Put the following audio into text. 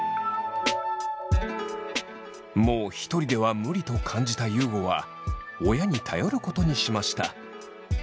もうひとりでは無理と感じた優吾は親に頼ることにしました。